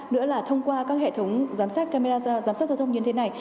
hệ thống camera giám sát giao thông như thế này